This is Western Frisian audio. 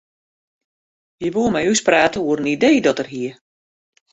Hy woe mei ús prate oer in idee dat er hie.